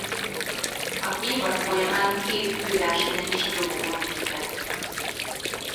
Az évad folyamán két főversenyen is a dobogón végzett.